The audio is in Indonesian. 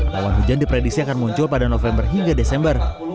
lawan hujan diprediksi akan muncul pada november hingga desember